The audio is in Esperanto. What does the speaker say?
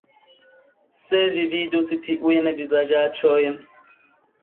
Se Vi vidus tiujn vizaĝaĉojn!